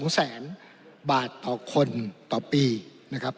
๒แสนบาทต่อคนต่อปีนะครับ